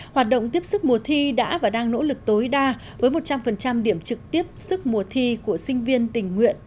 hoạt động tiếp sức mùa thi đã và đang nỗ lực tối đa với một trăm linh điểm trực tiếp sức mùa thi của sinh viên tình nguyện